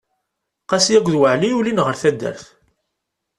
Qasi akked Waɛli ulin ɣer taddart.